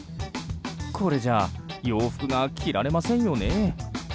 これじゃ洋服が着られませんよね。